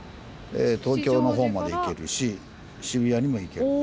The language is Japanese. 東京の方まで行けるし渋谷にも行けるので。